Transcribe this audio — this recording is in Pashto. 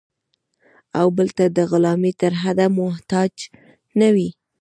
او بل ته د غلامۍ تر حده محتاج نه وي.